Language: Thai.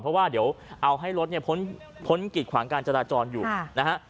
เพราะว่าเดี๋ยวเอาให้รถเนี่ยพ้นกิดขวางการจราจรอยู่นะฮะ